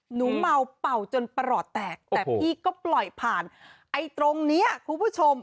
หนูเมาเป่าจนประหลอดแตกแต่พี่ก็ปล่อยผ่านไอ้ตรงเนี้ยคุณผู้ชม